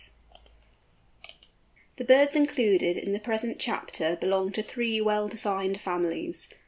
_ The birds included in the present chapter belong to three well defined families.